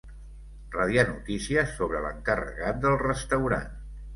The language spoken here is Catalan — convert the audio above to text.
Radiar notícies sobre l'encarregat del restaurant.